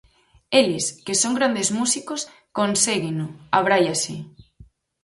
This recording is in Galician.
Eles, que son grandes músicos, conségueno, abráiase.